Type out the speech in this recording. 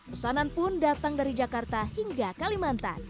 pesanan pun datang dari jakarta hingga kalimantan